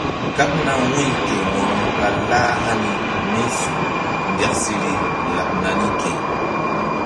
Kaɓna wu̧y ke wo̧ro ɓa lah hani mí su deksiri laɓ nani ke.